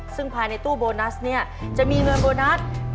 ซึ่งภายในตู้โบนัสเนี่ยจะมีเงินโบนัส